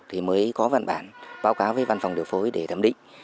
thì mới có văn bản báo cáo với văn phòng điều phối để thẩm định